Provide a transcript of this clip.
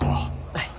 はい。